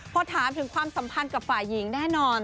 พอถามถึงความสัมพันธ์กับฝ่ายหญิงแน่นอน